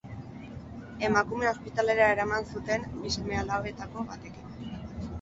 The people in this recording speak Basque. Emakumea ospitalera eraman zuten bi seme-alabetako batekin.